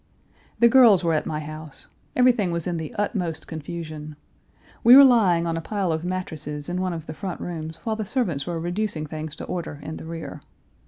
The girls were at my house. Everything was in the utmost confusion. We were lying on a pile of mattresses in one of the front rooms while the servants were reducing things to order in the rear.